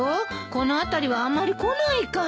この辺りはあまり来ないから。